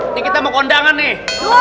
ini kita mau kondangan nih